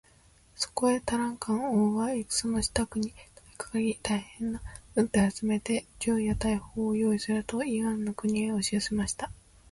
そこでタラカン王は戦のしたくに取りかかり、大へんな軍隊を集めて、銃や大砲をよういすると、イワンの国へおしよせました。